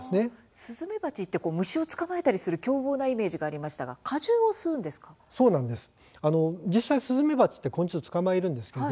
スズメバチって虫を捕まえたりする凶暴なイメージがありましたけど果汁を吸うんですか。